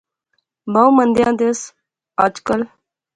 بہوں مندیاں دیسے اج کل